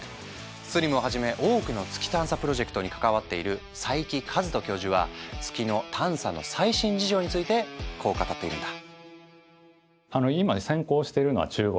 ＳＬＩＭをはじめ多くの月探査プロジェクトに関わっている佐伯和人教授は月の探査の最新事情についてこう語っているんだ。